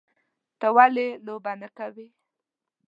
_ته ولې لوبه نه کوې؟